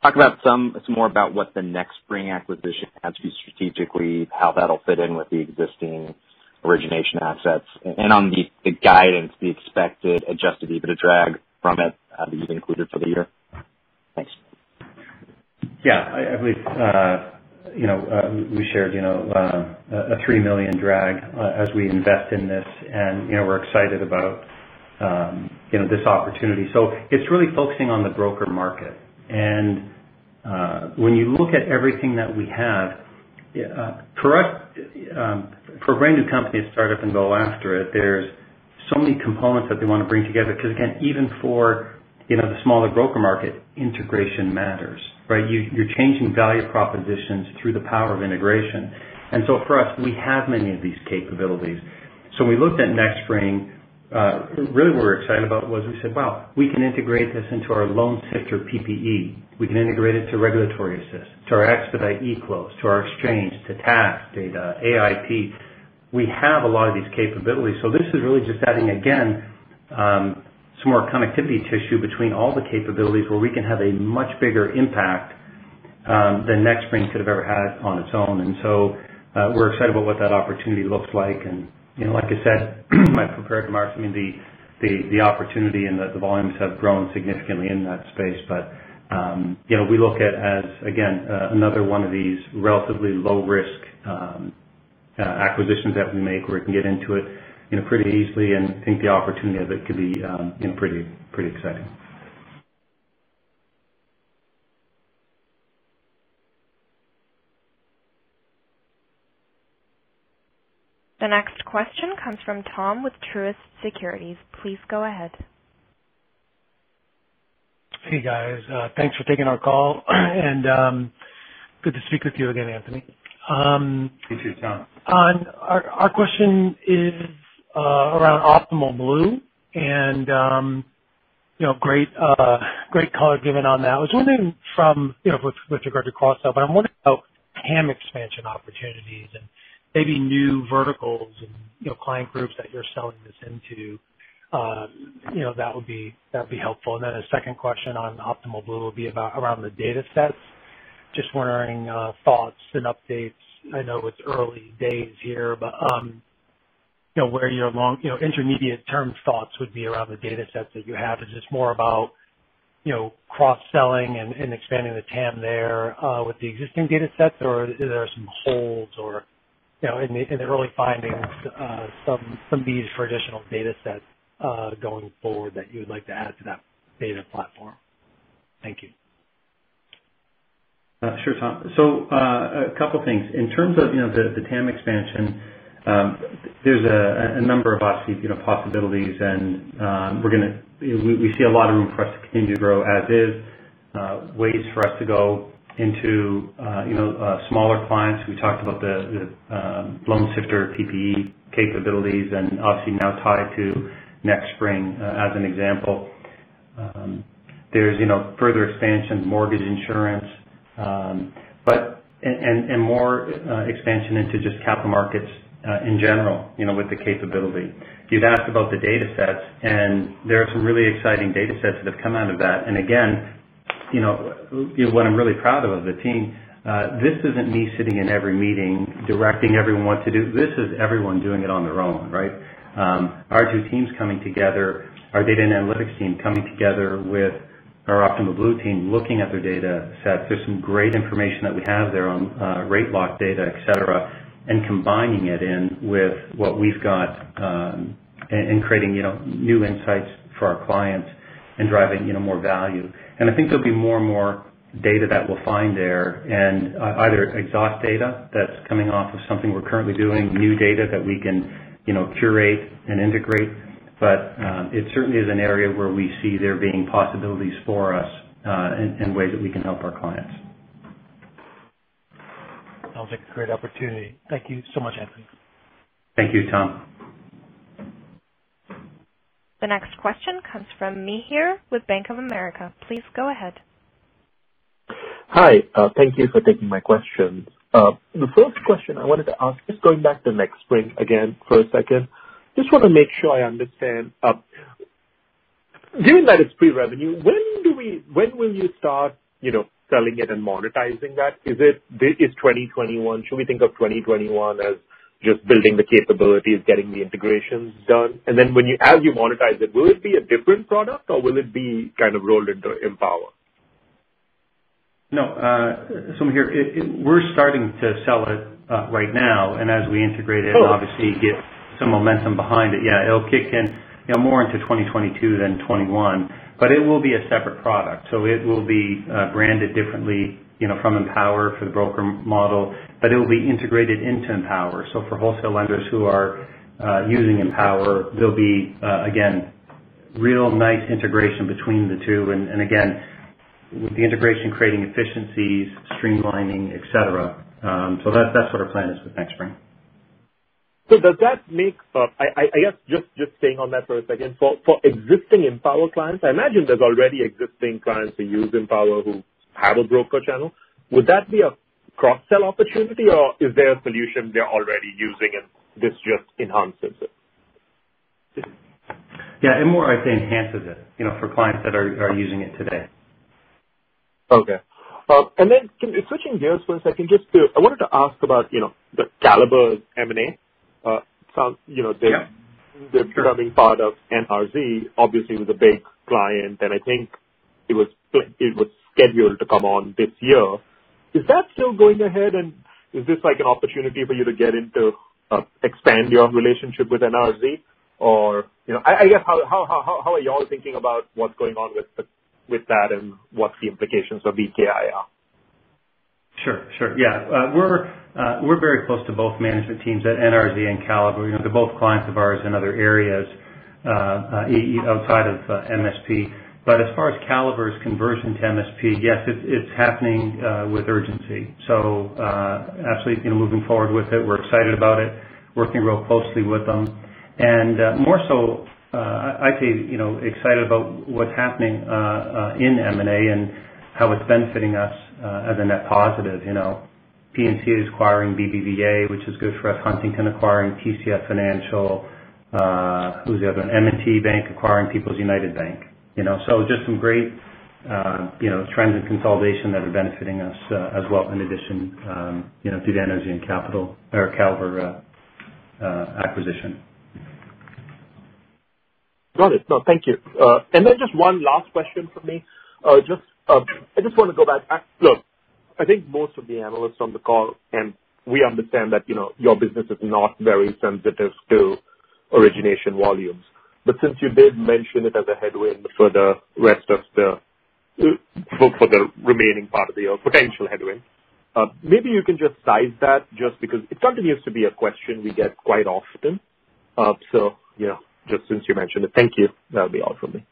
Talk some more about what the NexSpring acquisition adds to you strategically, how that'll fit in with the existing origination assets and on the guidance, the expected adjusted EBITDA drag from it that you've included for the year. Thanks. I believe we shared a $3 million drag as we invest in this, and we're excited about this opportunity. It's really focusing on the broker market. When you look at everything that we have, for a brand new company to start up and go after it, there's so many components that they want to bring together. Again, even for the smaller broker market, integration matters, right? You're changing value propositions through the power of integration. For us, we have many of these capabilities. We looked at NexSpring. Really what we're excited about was we said, "Wow, we can integrate this into our LoanSifter PPE. We can integrate it to Regulatory Assist, to our Expedite Close, to our Exchange, to tax data, AIP." We have a lot of these capabilities. This is really just adding, again, some more connectivity tissue between all the capabilities where we can have a much bigger impact than NexSpring could have ever had on its own. We're excited about what that opportunity looks like. Like I said in my prepared remarks, the opportunity and the volumes have grown significantly in that space. We look at it as, again, another one of these relatively low-risk acquisitions that we make where we can get into it pretty easily, and think the opportunity of it could be pretty exciting. The next question comes from Tom with Truist Securities. Please go ahead. Hey, guys. Thanks for taking our call, and good to speak with you again, Anthony. Thank you, Tom. Our question is around Optimal Blue and great color given on that. I was wondering with regard to cross-sell, I'm wondering about TAM expansion opportunities and maybe new verticals and client groups that you're selling this into. That would be helpful. A second question on Optimal Blue would be around the datasets. Just wondering thoughts and updates. I know it's early days here, where your intermediate term thoughts would be around the datasets that you have. Is this more about cross-selling and expanding the TAM there with the existing datasets, or are there some holes, in the early findings, some needs for additional datasets going forward that you would like to add to that data platform? Thank you. A couple things. In terms of the TAM expansion, there's a number of possibilities, and we see a lot of room for us to continue to grow as is. Ways for us to go into smaller clients. We talked about the Loansifter PPE capabilities, and obviously now tied to NexSpring, as an example. There's further expansion of mortgage insurance. More expansion into just capital markets in general with the capability. You'd asked about the datasets, and there are some really exciting datasets that have come out of that. Again, what I'm really proud of is the team. This isn't me sitting in every meeting directing everyone what to do. This is everyone doing it on their own, right? Our two teams coming together, our Data and Analytics team coming together with our Optimal Blue team, looking at their datasets. There's some great information that we have there on rate lock data, et cetera, combining it in with what we've got, and creating new insights for our clients and driving more value. I think there'll be more and more data that we'll find there, and either exhaust data that's coming off of something we're currently doing, new data that we can curate and integrate. It certainly is an area where we see there being possibilities for us, and ways that we can help our clients. Sounds like a great opportunity. Thank you so much, Anthony. Thank you, Tom. The next question comes from Mihir with Bank of America. Please go ahead. Hi. Thank you for taking my question. The first question I wanted to ask, just going back to NexSpring again for a second. Just want to make sure I understand. Given that it's pre-revenue, when will you start selling it and monetizing that? Is it 2021? Should we think of 2021 as just building the capabilities, getting the integrations done? Then as you monetize it, will it be a different product, or will it be kind of rolled into Empower? No. Mihir, we're starting to sell it right now, and as we integrate it obviously get some momentum behind it. It'll kick in more into 2022 than 2021. It will be a separate product. It will be branded differently from Empower for the broker model, but it will be integrated into Empower. For wholesale lenders who are using Empower, there'll be, again, real nice integration between the two. Again, with the integration creating efficiencies, streamlining, et cetera. That's what our plan is with NexSpring. I guess just staying on that for a second. For existing Empower clients, I imagine there's already existing clients who use Empower who have a broker channel. Would that be a cross-sell opportunity, or is there a solution they're already using, and this just enhances it? Yeah, it more, I'd say, enhances it for clients that are using it today. Okay. Then switching gears for a second, I wanted to ask about the Caliber M&A. Yeah. Sure. They're becoming part of NRZ, obviously it was a big client, and I think it was scheduled to come on this year. Is that still going ahead, and is this like an opportunity for you to get in to expand your relationship with NRZ? I guess, how are you all thinking about what's going on with that, and what the implications of BKFS are? Sure. Yeah. We're very close to both management teams at NRZ and Caliber. They're both clients of ours in other areas outside of MSP. As far as Caliber's conversion to MSP, yes, it's happening with urgency. Absolutely, moving forward with it. We're excited about it, working real closely with them. More so, I'd say, excited about what's happening in M&A and how it's benefiting us as a net positive. PNC is acquiring BBVA, which is good for us. Huntington acquiring TCF Financial. Who's the other one? M&T Bank acquiring People's United Bank. Just some great trends in consolidation that are benefiting us as well in addition to the NRZ and Caliber acquisition. Got it. No, thank you. Just one last question from me. I just want to go back. I think most of the analysts on the call, we understand that your business is not very sensitive to origination volumes. Since you did mention it as a headwind for the remaining part of the year, potential headwind, maybe you can just size that just because it continues to be a question we get quite often. Just since you mentioned it. Thank you. That would be all for me.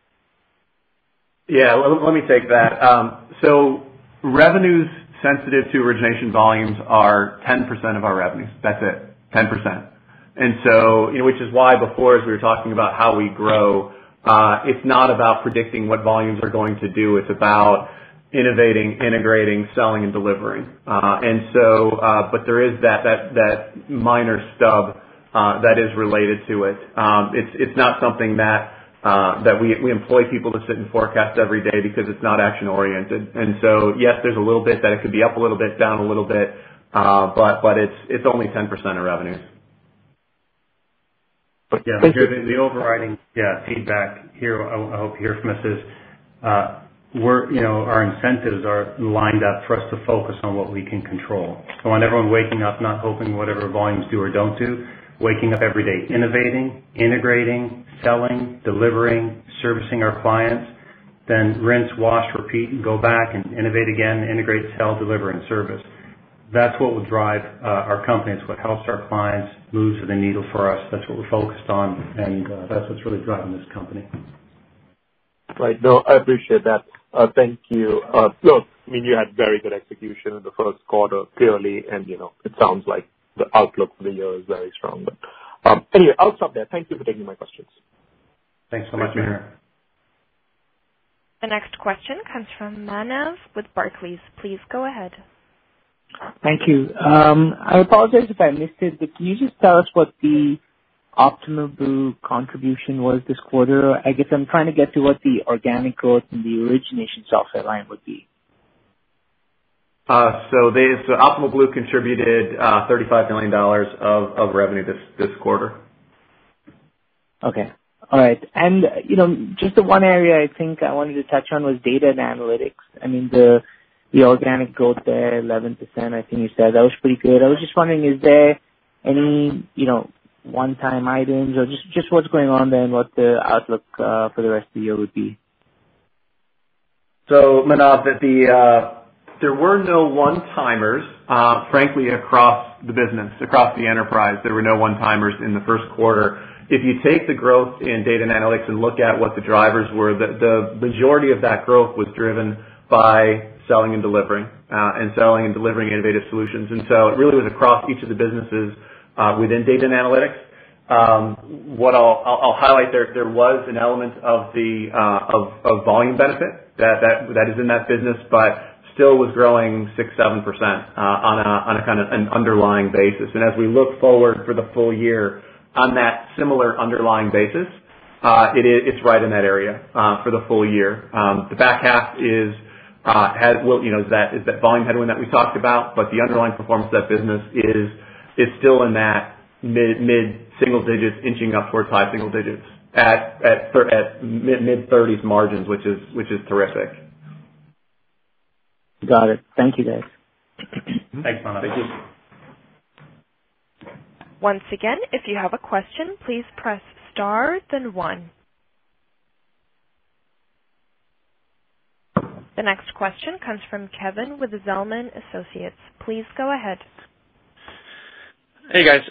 Yeah. Let me take that. Revenues sensitive to origination volumes are 10% of our revenues. That's it, 10%. Which is why before, as we were talking about how we grow, it's not about predicting what volumes are going to do, it's about innovating, integrating, selling, and delivering. There is that minor stub that is related to it. It's not something that we employ people to sit and forecast every day because it's not action-oriented. Yes, there's a little bit that it could be up a little bit, down a little bit, but it's only 10% of revenues. Thank you. Yeah. The overriding feedback here, I hope you hear from us is, our incentives are lined up for us to focus on what we can control. I want everyone waking up not hoping whatever volumes do or don't do, waking up every day, innovating, integrating, selling, delivering, servicing our clients, then rinse, wash, repeat, and go back and innovate again, integrate, sell, deliver, and service. That's what will drive our company. It's what helps our clients move the needle for us. That's what we're focused on, and that's what's really driving this company. Right. No, I appreciate that. Thank you. You had very good execution in the first quarter, clearly, and it sounds like the outlook for the year is very strong. Anyway, I'll stop there. Thank you for taking my questions. Thanks so much, Mihir. The next question comes from Manav with Barclays. Please go ahead. Thank you. I apologize if I missed it, but can you just tell us what the Optimal Blue contribution was this quarter? I guess I'm trying to get to what the organic growth and the origination software line would be. Optimal Blue contributed $35 million of revenue this quarter. Okay. All right. Just the one area I think I wanted to touch on was Data and Analytics. The organic growth there, 11%, I think you said. That was pretty good. I was just wondering, is there any one-time items or just what's going on there and what the outlook for the rest of the year would be? Manav, there were no one-timers frankly across the business, across the enterprise. There were no one-timers in the first quarter. If you take the growth in Data and Analytics and look at what the drivers were, the majority of that growth was driven by selling and delivering innovative solutions. It really was across each of the businesses within Data and Analytics. What I'll highlight there was an element of volume benefit that is in that business, but still was growing 6%, 7% on a kind of an underlying basis. As we look forward for the full year on that similar underlying basis, it's right in that area for the full year. The back half is that volume headwind that we talked about, but the underlying performance of that business is still in that mid-single digits inching up towards high single digits at mid-30s margins, which is terrific. Got it. Thank you, guys. Thanks, Manav. Thank you. Once again, if you have a question, please press star then one. The next question comes from Kevin with the Zelman & Associates. Please go ahead. Hey, guys.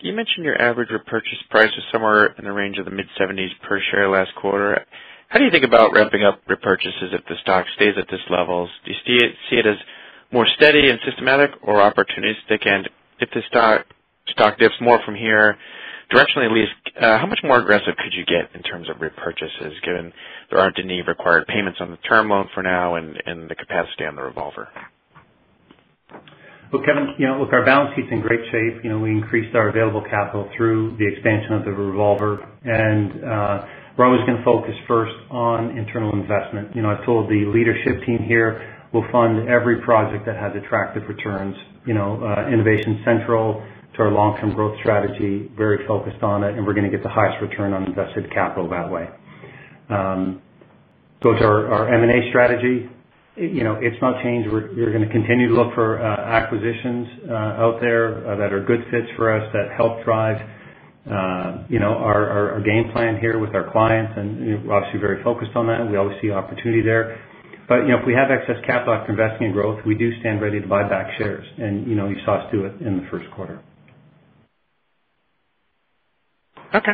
You mentioned your average repurchase price was somewhere in the range of the $mid-70s per share last quarter. How do you think about ramping up repurchases if the stock stays at this levels? Do you see it as more steady and systematic or opportunistic? If the stock dips more from here, directionally at least, how much more aggressive could you get in terms of repurchases, given there aren't any required payments on the term loan for now and the capacity on the revolver? Well, Kevin, look, our balance sheet's in great shape. We increased our available capital through the expansion of the revolver, and we're always going to focus first on internal investment. I told the leadership team here, we'll fund every project that has attractive returns. Innovation central to our long-term growth strategy, very focused on it, and we're going to get the highest return on invested capital that way. To our M&A strategy, it's not changed. We're going to continue to look for acquisitions out there that are good fits for us, that help drive our game plan here with our clients, and we're obviously very focused on that. We always see opportunity there. If we have excess capital after investing in growth, we do stand ready to buy back shares, and you saw us do it in the first quarter. Okay.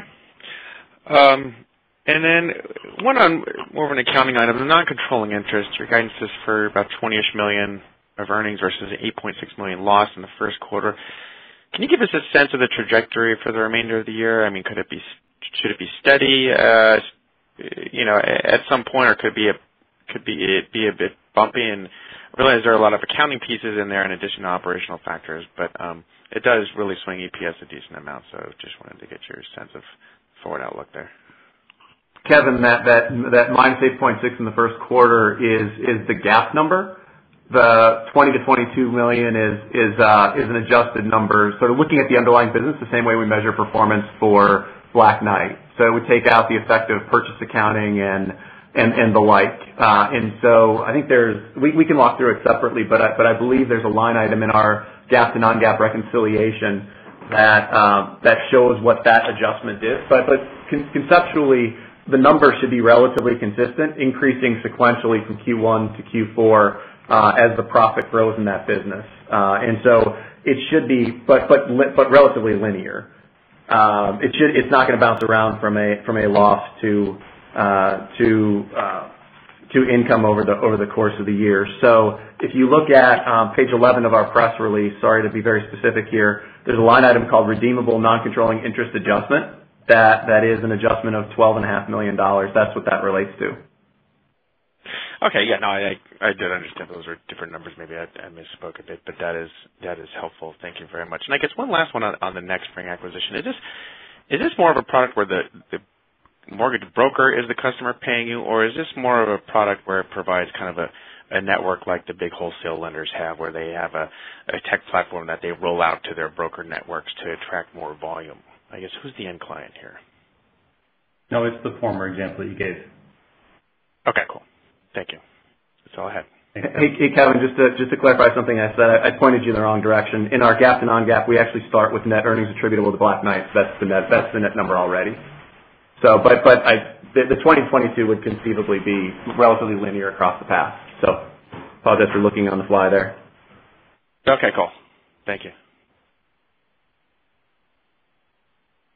One on more of an accounting item, the non-controlling interest. Your guidance is for about $20-ish million of earnings versus $8.6 million loss in the first quarter. Can you give us a sense of the trajectory for the remainder of the year? Should it be steady at some point or could be a bit bumpy? I realize there are a lot of accounting pieces in there in addition to operational factors, but it does really swing EPS a decent amount, so just wanted to get your sense of forward outlook there. Kevin, that -$8.6 in the first quarter is the GAAP number. The $20 million-$22 million is an adjusted number, sort of looking at the underlying business the same way we measure performance for Black Knight. We take out the effect of purchase accounting and the like. I think we can walk through it separately, but I believe there's a line item in our GAAP to non-GAAP reconciliation that shows what that adjustment is. Conceptually, the numbers should be relatively consistent, increasing sequentially from Q1 to Q4, as the profit grows in that business. It should be but relatively linear. It's not going to bounce around from a loss to income over the course of the year. If you look at page 11 of our press release, sorry to be very specific here, there's a line item called Redeemable Non-Controlling Interest Adjustment that is an adjustment of $12.5 million. That's what that relates to. Okay. Yeah, no, I did understand those were different numbers. Maybe I misspoke a bit, but that is helpful. Thank you very much. I guess one last one on the NexSpring acquisition. Is this more of a product where the mortgage broker is the customer paying you, or is this more of a product where it provides kind of a network like the big wholesale lenders have, where they have a tech platform that they roll out to their broker networks to attract more volume? I guess, who's the end client here? No, it's the former example you gave. Okay, cool. Thank you. That's all I had. Hey, Kevin, just to clarify something I said. I pointed you in the wrong direction. In our GAAP to non-GAAP, we actually start with net earnings attributable to Black Knight. That's the net number already. The 2022 would conceivably be relatively linear across the path. I apologize for looking on the fly there. Okay, cool. Thank you.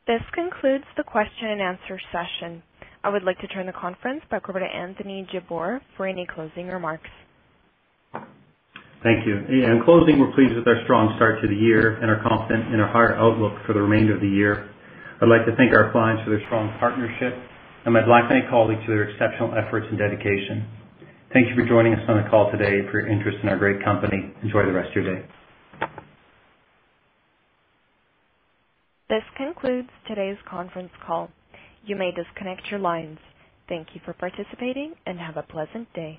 This concludes the question and answer session. I would like to turn the conference back over to Anthony Jabbour for any closing remarks. Thank you. In closing, we're pleased with our strong start to the year and are confident in our higher outlook for the remainder of the year. I'd like to thank our clients for their strong partnership, and I'd like to thank all of you for your exceptional efforts and dedication. Thank you for joining us on the call today and for your interest in our great company. Enjoy the rest of your day. This concludes today's conference call. You may disconnect your lines. Thank you for participating, and have a pleasant day.